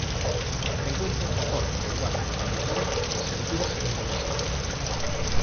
Se encuentra en el Japón, Taiwán, el Vietnam, las Filipinas e Indonesia.